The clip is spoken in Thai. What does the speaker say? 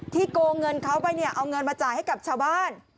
โกงเงินเขาไปเนี่ยเอาเงินมาจ่ายให้กับชาวบ้าน